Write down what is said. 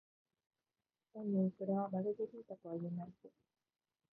おいおい、それはマルゲリータとは言えないぜ？